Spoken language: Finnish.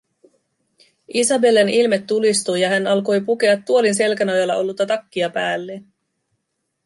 Isabellen ilme tulistui, ja hän alkoi pukea tuolin selkänojalla ollutta takkia päälleen: